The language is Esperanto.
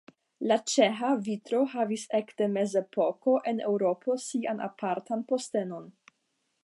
La ĉeĥa vitro havis ekde mezepoko en Eŭropo sian apartan postenon.